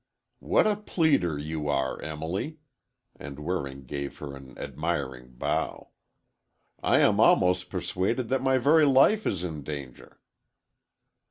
"What a pleader you are, Emily," and Waring gave her an admiring bow; "I am almost persuaded that my very life is in danger!"